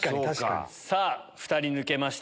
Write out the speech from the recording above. さぁ２人抜けました！